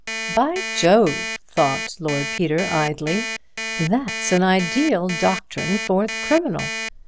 "By Jove!" thought Lord Peter, idly, "that's an ideal doctrine for the criminal.